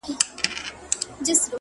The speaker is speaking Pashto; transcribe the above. • چي یوازي ملکه او خپل سترخان سو,